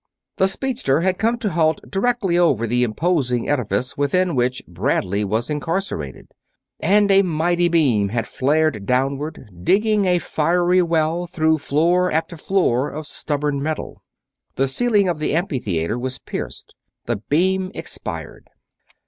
The speedster had come to a halt directly over the imposing edifice within which Bradley was incarcerated, and a mighty beam had flared downward, digging a fiery well through floor after floor of stubborn metal. The ceiling of the amphitheater was pierced. The beam expired.